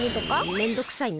めんどくさいな。